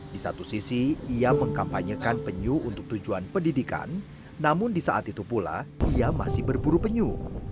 di satu sisi ia mengkampanyekan penyu untuk tujuan pendidikan namun di saat itu pula ia masih berburu penyu